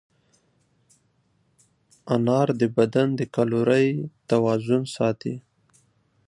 انار د بدن د کالورۍ توازن ساتي.